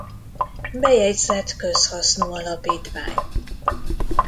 Bejegyzett közhasznú alapítvány.